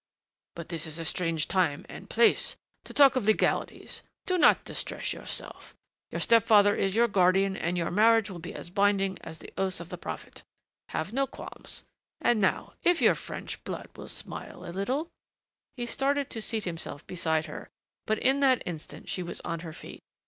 "But this is a strange time and place! to talk of legalities. Do not distress yourself your step father is your guardian and your marriage will be as binding as the oaths of the prophet. Have no qualms.... And now, if your French blood will smile a little " He started to seat himself beside her, but in that instant she was on her feet.